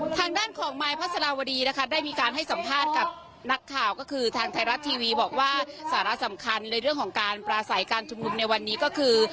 ทางไทยรัฐทีวีบอกว่าสารสำคัญในเรื่องของการปลาใสการชุมนุมในวันนี้ก็คือ